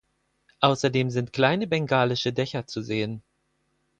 Außerdem sind kleine bengalische Dächer zu sehen.